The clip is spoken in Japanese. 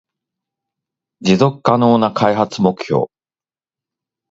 持続可能な開発目標